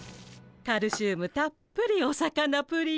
カルシウムたっぷりお魚プリン。